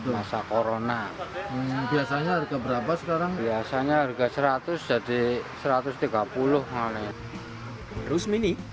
masa corona biasanya harga berapa sekarang biasanya harga seratus jadi satu ratus tiga puluh malah rusmini